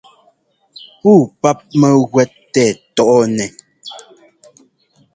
Puu páp mɛ́gúɛ́t tɛ́ tɔɔnɛ́.